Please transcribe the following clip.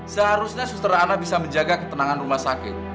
seharusnya suster ana bisa menjaga ketenangan rumah sakit